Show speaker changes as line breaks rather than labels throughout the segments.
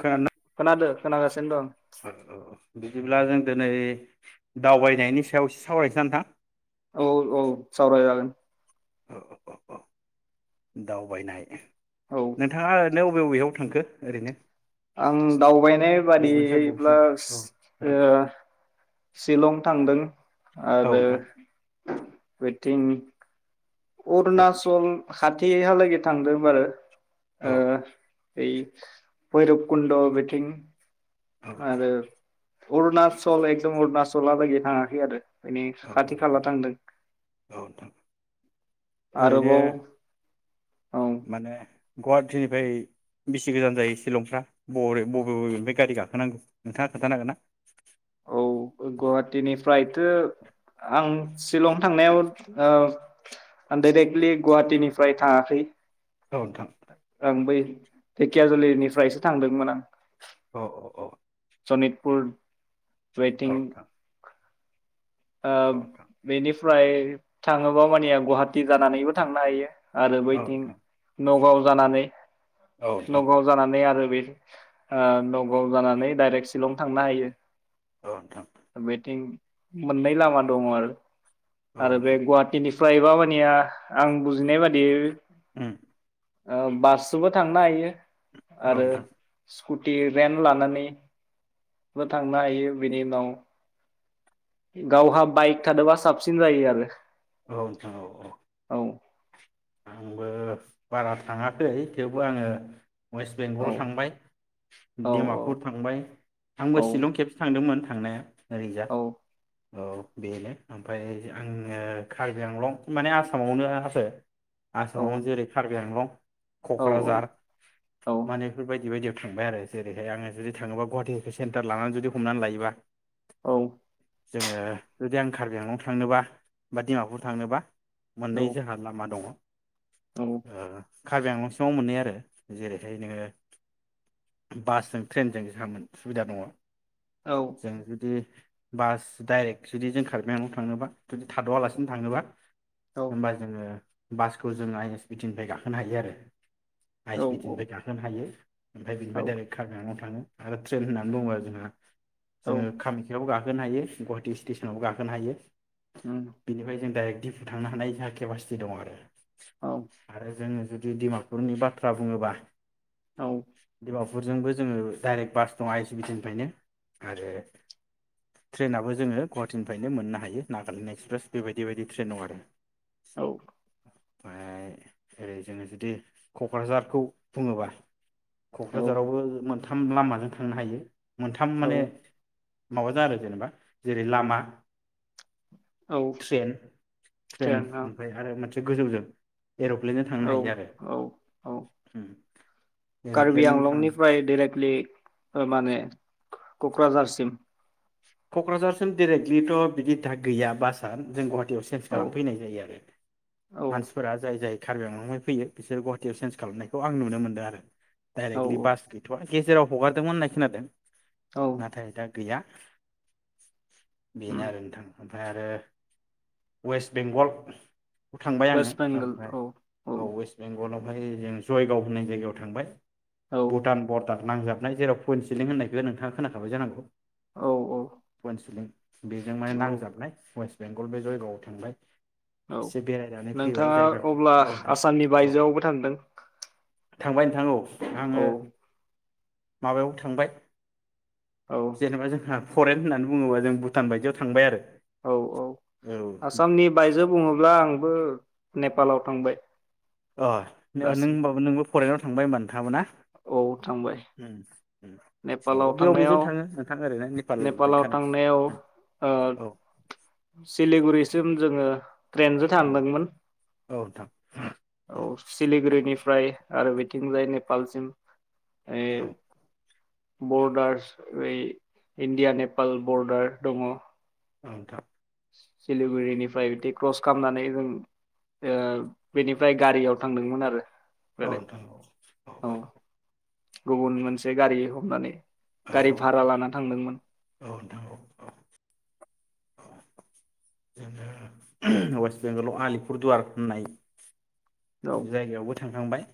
खोनादोना?
खोनादो खोनागासिनो दं।
औ औ बिदिब्ला जों दिनै दावबायनायनि सायाव एसे सावरायनोसै नोंथां?
औ औ सावराय जागोन।
[unintelligible] दावबायनाय
औ
नोंथाङा नो अबे अबेयाव थांखो ओरैनो?
आं दावबायनाय
बबेनिफ्राय
बादियैब्ला
बबेसिम? औ
ओ शिलं थांदों।
औ
आरो
नोंथां
बैथिं
औ
अरुणाचल खाथिहालागै थांदों बारो
औ
ओ ओय भैरबकुण्ड बेथिं
औ
आरो अरुणाचल एकदम अरुणाचलहालागै थाङाखै आरो बेनि
औ
खाथि
नोंथां
खाला थांदों।
औ नोंथां ओरैनो
आरोबाव औ
माने गुवाहाटिनिफ्राय बेसे गोजान जायो शिलंफ्रा ब-बबे बबेनिफ्राय गारि गाखोनांगौ नोंथाङा खोन्थानो हांगोन ना?
औ गुवाहाटिनिफ्रायथो आं शिलं थांनायाव ओ आं डाइरेक्टलि गुवाहाटिनिफ्राय थाङाखै
औ नों
बै धेकियाजुलि निफ्रायसो थांदोंमोन आं
औ औ औ
सनितपुर
औ
बैथिं
नोंथां
आ
औ
बेनिफ फ्राय थाङोबा मानिया गुवाहाटि जानानैबो थांनो हायो। आरो बैथिं
नोंथां
नगाव जानानै
औ नोंथां
नगाव जानानै आरो बैफो ओ नगाव जानानै डाइरेक्ट शिलं थांनो हायो।
औ नोंथां औ नोंथां
बेथिं मोननै लामा दङ आरो।
औ
आरो बे
नोंथां
गुवाहाटिनि फ्राय मा बा निया आं बुजिनाय बादि
ओं
औ बाससोबो थांनो हायो
औ
आरो
नोंथां
स स्कुटि रेन्ट लानानै बो थांनो हायो बेनि उनाव गावहा बाइक थादोबा साबसिन जायो आरो
औ नोंथां औ औ आंबो बारा थाङाखै थेवबो आङो वेस्ट बेंगल थांबाय
औ
दिमापुर थांबाय
औ
आंबो सिलं खेबसे थांदोंमोन। थांनाया नैरोजा
औ
औ बेयो ओमफ्राय आंङो कार्बि आंलं माने आसामावनो आरो आसामावनो जेरै कार्बि आंलं
औ
कक्राझार
औ
माने बेफोर बायदि बायदिया थांबाय आरो जेरैहाय आङो जुदि थाङोबा गुवाहाटिनिफ्राय सेन्टार लानानै जुदि हमनानै लायोबा
औ
जोङो जुदि आं कार्बि आंलं थांनोबा बा डिमापुर थांनोबा मोननै
औ
जोंहा लामा दङ। ओ कार्बि आंलं सोआव मोनहैयो आरो जेरैहाय नोङो बासजों ट्रेनजों जों सुबिदा दङ जों जुदि बास डाइरेक्ट जुदि जों कार्बि आंलं थांनोबा जुदि थादआलासिनो थाङोबा होम्बा जोङो बासखौ जों आइ एस बि टि निफ्राय गाखोनो हायो आरो आइ एस भि ति
औ
निफ्राय गाखोनो हायो ओमफ्राय
औ
बिनिफ्राय डाइरेक कार्बिआंलं थांङो आरो ट्रेन होनना बुङोबा आरो जोंहा
औ
जोङो खामखायाव गा गाखोनो हायो गुवाहाटि स्टेसनावबो गाखोनो हायो
उम
बिनिफ्राय जों डायरेक दि थांनो हानाय जोहा केपासिटि दं आरो
औ
आरो जोङो जुदि दिमापुरनि बाथ्रा बुङोबा
औ
गपुरजोंबो जोङो डाइरेक्ट बास दं आइ सि बि टि निफ्रायनो आरो ट्रेनाबो जोङो गुवाहाटिनिफ्रायनो मोननो हायो नागालेण्ड एक्सप्रेस बेबायदि बायदि ट्रेन दं आरो
औ
ओमफ्राय ओरै जोङो जुदि कक्राझारखौ बुङोबा
औ
कक्राझारावबो मोनथाम लामानि जों थांनो हायो मोनथाम
औ
माने माबाजों आरो जेनेबा जेरै लामा
औ
ट्रेन [unintelligible]
ट्रेना
ओमफाय आरो मो एसे गोजौजों। एरप्लेनजों थांनो
औ
हायो आरो।
औ औ कार्बि
एर'प्लेन थां
आंलंनिफ्राय डिरेक्टलि माने। कक्राझारसिम।
कक्राझारसिम डिरेक्टलिथ बिदि दा गैया बासआ जों ग चन्स
औ
खालाम फैनाय जायो आरो
औ
मानसिफोरा जाय जाय। कारबि आंआवहाय फैयो बिसोर गुवाहाटियाव चेन्ज खालामनायखौ आं नुनो मोनदों आरो‌।
औ
डायरेक्टलि बास गैथ‌आ। गेजेराव हगारदोंमोन होननाय खोनादों।
औ
नाथाय दा। गैया। बेनो
उम
आरो नोंथां। आरो वेस्ट बेंगल। खौ थांबाय आङो
वेस्ट बेंगल
ओमफ्राय
औ
औ वेस्ट बेंगलाव। ओमफ्राय जों जयगाव होननाय जायगायाव थांबाय।
औ
भुटान बरदार। नांजाबनाय जेराव पइन्ट सिलिं होननायखौ नोंथाङा खोनाखाबाय जानांगौ।
औ औ
पन्सलिं। बेजों माने नांजाबनाय वेस्ट। बेंगल बे जयगायाआव थांबाय।
औ
एसे बेरायनानै फैबाय
नोंथाङा
जायगा
अब्ला
औ नोंथां
आसामनि
औ
बायजोआवबो थांदों।
थांबाय नोंथां औ।
औ
आङो। माबायाव थांबाय।
औ
जेनेबा जोंहा। फरेन होननानै बुङोबा जों भुटान बायदियाव थांबाय आरो।
औ औ आसामनि बायजो बुङोब्ला आंबो। नेपालाव थांबाय।
अ नो नों
दासिम
होनबाबा नोंबो। फरेनाव थांबाय थाबोना
औ थांबाय
ओम। ओम औ
नेपालाव
अबे अबेजों
थांनायाव
थाङो नोंथां ओरैनो नेपालनिफ्राय
नेपालाव थांनायाव
कानेक्सन
ओ
औ।
सिलिगुरिसिम जोङो ट्रेनजों
औ
थांदोंमोन
औ नोंथां
औ
उम
सिलिगुरिनि फ्राय आरो बिथिंजाय नेपालसिम ओ
औ
बरडारस यै इण्डिया नेपाल बर्डार दङ
औ नोंथां
सिलिगुरिनिफ्राय बिदि क्रस खालामनानै जों ओ बेनिफ्राय गारियाव थांदोंमोन आरो
औ
बेलेग
नोंथां औ
औ गुबुन मोनसे गारि ह हमनानै
औ
गारि भारा
नोंथां
लाना थांदोंमोन।
औ नोंथां औ औ वेस्ट बेंगलाव आलिपुर दुवार होननाय
औ
जायगायावबो था थांखांबाय।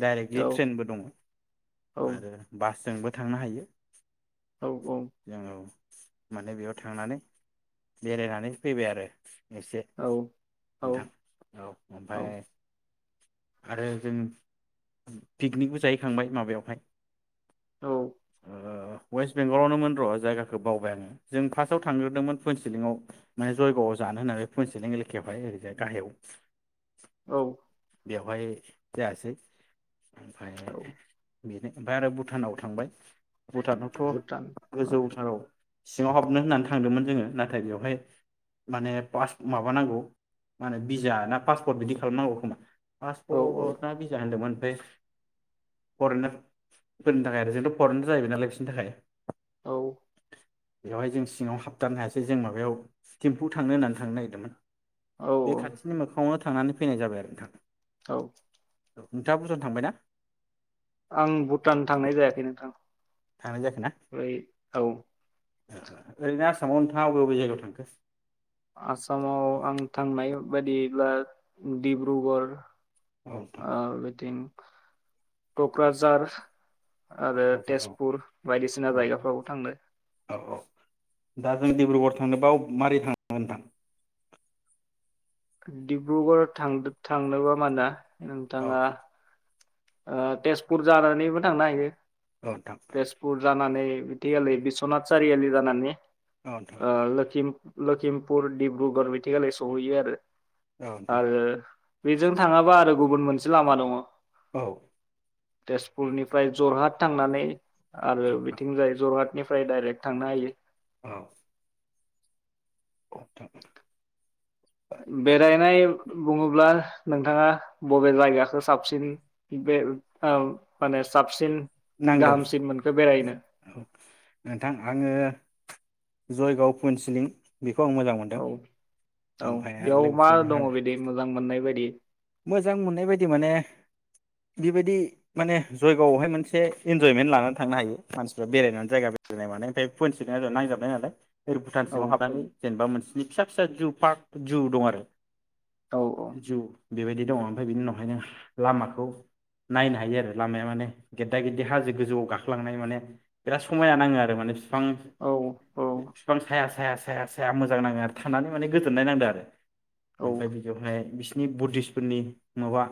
डाइरेक्टलि
औ
ट्रेनबो दङ
औ
आरो बासजोंबो थांनो हायो।
औ औ
जोङो औ माने बेयाव थांनानै बेरायनानै फैबाय आरो एसे
औ औ
नोंथां औ ओमफाय
औ
आरो जों पिकनिकबो जाहैखांबाय माबायाव हाय
औ
अवेस्ट बेंगलावनोमोन रजायगाखौ बावबाय आङो जों फास्टआव थांग्रोदोंमोन पनसिलिंआव माने जयगावआव जानो होननानै पनसिलिं एलेकायावहाय ओरैजाय गाहायाव
औ
बेवहाय जायासै ओमफाय
औ
बिनि ओमफाय आरो भुटानाव थांबाय भुटानावथ
भुटान औ
गोजौथाराव सिङाव हाबनो होननानै थांदोंमोन जोङो नाथाय बेवहाय माने पास माबानांगौ माने बिजा ना पासपट बिदि खालामनांगौ खोमा
औ औ
पासपट ना बिजा होनदोंमोन ओमफ्राय फरेनार फोरनि थाखाय आरो जोंथ फरेनार जाहैबाय नालाय बिसोरनि थाखाय
औ
बेवहाय जों सिङाव हाबथारनो हायासै जों माबायाव थिम्फु थांनो होननानै थांनो नागिरदोंमोन। बे
औ
खाथिनि मोखाङावनो था थांनानै फैनाय जाबाय आरो नोंथां।
औ
औ नोंथाङा भुटान थांबाय ना?
आं भुटान थांनाय जायाखै नोंथां।
थांनाय जाखो ना
बेै औ
ओरैनो आसामाव नोंथाङा अबे अबे जायगायाव थांखो?
आसामाव आं थांनाय बायदियैब्ला डिब्रुगर
औ नोंथां
ओ बेथिं कक्राझार आरो
क'क्राझार औ
तेजपुर बायदिसिना
औ
जायगाफ्रावबो थांदो।
औ औ दा जों डिब्रुगर थांनोबाव मारै थाङो नोंथां?
डिब्रुगर थांदो थांनोबा ना?
औ
नोंथाङा ओ तेजपुर जानानैबो थांनो हायो।
नोंथां
तेजपुर जानानै बिदियालै बिस्वनाथ सारिआलि जानानै
औ नोंथां
ओ लोखिम लोखिमपुर, डिब्रुगर बिथिखालि सहैयो आरो।
औ नोंथां
आरो बेजों थाङाबा आरो गुबुन मोनसे लामा दङ।
औ
तेजपुरनिफ्राय जरहाट थांनानै आरो
औ नोंथां
बिथिंजाय जरहाट निफ्राय डाइरेक्ट थांनो हायो।
औ औ नोंथां
बेरायनाय बुङोब्ला नोंथाङा बबे जायगाखौ साबसिन बे ओ माने साबसिन
नांदों
गाहामसिन मोनखो बेरायनो?
औ नोंथां आङो जयगावफुनसिलिं बे
औ औ
आरो
बेयाव मा
लोगोसे जोंहा
दङ बिदि मोजां मोननाय बायदि?
मोजां मोननाय बायदि माने बेबायदि माने जयगआवहाय मोनसे इन्जयमेन्ट लानानै थांनो हायो मानसिफ्रा बेरायनानै जायगा बेरायनाय मानाय ओमफ्राय [unintelligible] नांजाबनाय नालाय। ओरै भुटान
औ
सिङाव हाबनानै जेनेबा मोनसेनि फिसा फिसा जु पार्क जु दं आरो।
औ
जु बेबायदि दङ ओमफ्राय बिनि उनावहाय नों लामाखौ नायनो हायो आरो लामाया माने गेददा गेददि हाजो गोजौआव गाखोलांनाय माने बिराद समायना नाङो आरो माने [unintelligible]
औ औ
बिफां साया साया साया साया मोजां नाङो आरो थानानै माने गोजोननाय नांदों आरो। ओमफ्राय बिदियावहाय बिसिनि बुद्धिस मानसिफोरनि माबा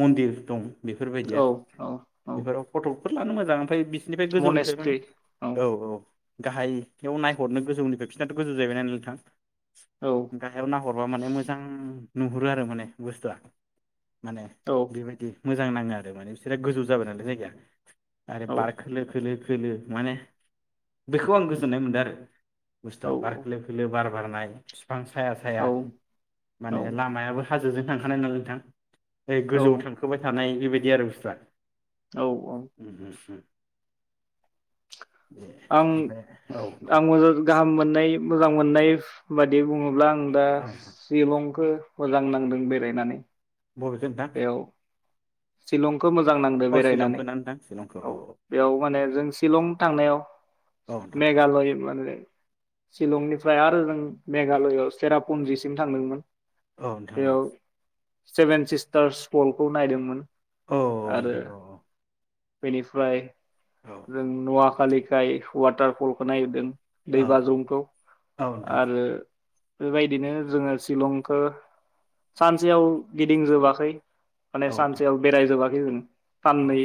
मन्दिर दं बेफोरबायदिया
औ औ औ
बेफोराव फथकफोर लानो मोजां ओमफ्राय बि निफ्राय गोजौनिफ्राय माने
मनेस्ट्रि
औ औ गाहाय बेयाव नायहरनो गोजौनिफ्राय बिसोरनाथ गोजौ जाहैबाय नालाय नोंथां
औ
गाहायाव नाहरबा माने मोजां नुहुरो आरो माने बुसथुआ माने
औ
बेबायदि मोजां नाङो आरो माने बिसोरहा गोजौ जाबाय नालाय जायगाया। आरो
औ
बार खोलो खोलो खोलो माने बेखौ आं गोजोननाय मोनदों आरो। बुसथुवा बार खोलो खोलो बार बारनाय बिफां साया साया
औ
माने
औ
लामायाबो हाजोजों थांखानाय नालाय नोंथां गोजौआव थांखोबाय थानाय बेबायदि आरो बुसथुवा
औ औ
उम हुम हु
आं
दे ओमफ्राय औ नोंथां
आं मोजाज गाहाम मोननाय मोजां मोननाय फ बायदि बुङो ब्ला आं दा
औ नोंथां
सिलंखो मोजां नांदों बेरायनानै
बबेखो नोंथां?
सिलं खो मोजां नांदो
औ
बेरायनानै
शिलंखौ ना नोंथां शिलंखौ
औ बेयाव माने जों सिलं थांनायाव
औ
मेघालय माने सिलंनिफ्राय आरो जों मेघालयआव सेरापुन्जिसिम थांदोंमोन
औ नोंथां औ
बेयाव सेभेन सिस्टार्स स्फलखौ नायदोंमोन।
औ
आरो
नोंथां औ
बेनिफ्राय जों नुवाख फालिखाय वाटारफलखौ नायहैदो दै
औ
बाज्रुमखौ
औ नोंथां औ नोंथां औ नोंथां
आरो बेबायदिनो जोङो सिलंखो सानसेयाव गिदिंजोबाखै। माने
औ नोंथां।
सानसेयाव बेरायजोबाखै जोङो
औ
साननै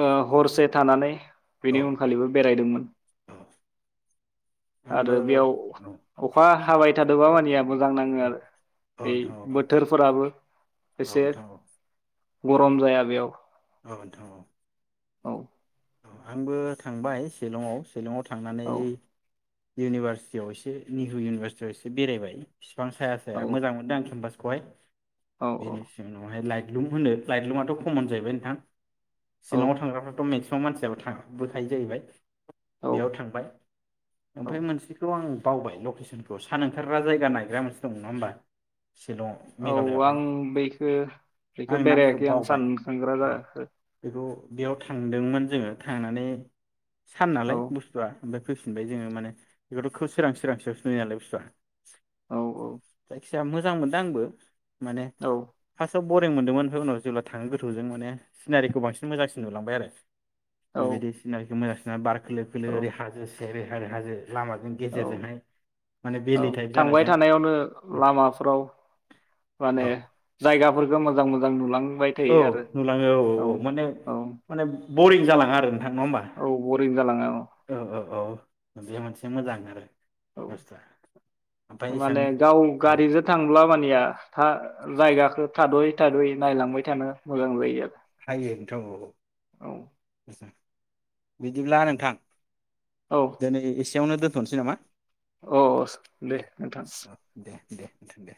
ओ हरसे थानानै बेनि उनखालिबो बेरायदोंमोन आरो
आंबो औ
बेयाव
औ
अखा हाबाय थादोबा मानिया मोजां नाङो आरो
औ
ओइ
नोंथां औ औ
बोथोरफोराबो
औ
एसे
नोंथां औ।
गरम जाया बेयाव
औ नोंथां औ।
औ
आंबो थांबाय सिलंआव सिलंआव थांनानै
औ
इउनिभारसिटियाव एसे निहु इउनिभारसिटियाव एसे बेरायबाय। बिफां साया
औ
साया मोजां मोनदों आं केम्पास खौहाय।
औ
बेनि [unintelligible] उनावहाय लाइट लुम होनो लाइतलुुमाथ खमन जाहैबाय नोंथां।
औ
सिलंआव थांग्राफ्राथ मेक मानसियाबो था बोखायो जाहैबाय।
औ
बेयाव थांबाय
औ
ओमफ्राय मोनसेखौ आं बावबाय लकेसनखौ सान ओंखारग्रा जायगा नायग्रा मोनसे दं नङा होमबा। शिलंआव
औ
मेघालयआवहाय
आं बेखो बेखो
आं नामखौ
बेरायाखै आं
बावबाय
सान सांग्रा
औ
जागाखो
बेखौ बेयाव थांदोंमोन। जोङो थांनानै सान
औ
नालाय बुस्थुआ ओमफाय फैफिनबाय जोङो माने बेखौथ सोरां सोरांसेयावसो नुयो नालाय बुस्थुआ
औ
जाय जाया मोजां मोनदों आंबो। माने
औ
फासाव बरिं मोन्दोंमोन ओमफाय उनाव जेब्ला थाङो गोथौजों माने सिनारिखौ बांसिन मोजांसिन नुलांबाय आरो।
औ
बेबायदि सिनारिखो मोजांसि बार खोलो खोलो
औ
ओरै हाजो [unintelligible] हानो हाजो लामाजों
औ
गेजेरजोंहाय माने
औ
भेलि टाइप
थांबाय
जानायजों
थानायावनो लामाफ्राव माने
औ
जायगाफोरखौ मोजां मोजां नुलां
औ नुलाङो औ औ औ माने
औ
माने बरिं जालाङा आरो नोंथां नङा होमबा
औ बरिं जालाङा।
बेयो मोनसे मोजां आरो बुस्थुआ ओमफ्राय
औ
एसां
माने गाव
औ
गारिजो थांब्ला मानिया हा जायगा थादयै थादयै नायलांबाय थानो मोजां जायो आरो
हायो नोंथां औ मोजां। बिदिब्ला नोंथां दोनै इसे याव दोन्थनोसै नामा
अस दे नोंथां।
औ दे दे नोथां दे।